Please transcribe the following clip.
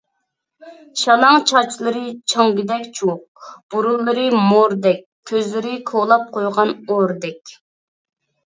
شالاڭ چاچلىرى چاڭگىدەك چۇۋۇق، بۇرۇنلىرى مورىدەك، كۆزلىرى كولاپ قويغان ئورىدەك.